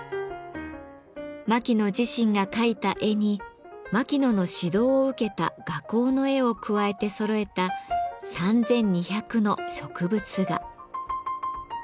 牧野自身が描いた絵に牧野の指導を受けた画工の絵を加えてそろえた３，２００の植物画。